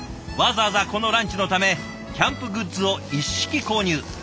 わざわざこのランチのためキャンプグッズを一式購入。